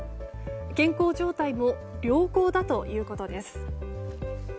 健康状態も良好だということです。